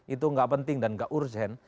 itu gak penting dan gak urgen